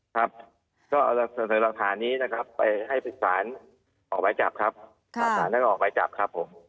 เพราะฉะนั้นออกไปจับครับศาลแล้วก็ออกไปจับครับผม